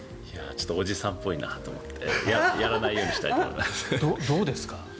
おじさんっぽいなと思ってやらないようにしたいと思います。